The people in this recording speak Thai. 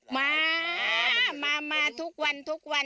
มามาทุกวันทุกวัน